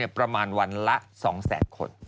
ประมาณวันละ๒๐๐๐๐๐คน